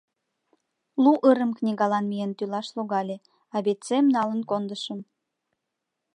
Лу ырым книгалан миен тӱлаш логале — абэцэм налын кондышым.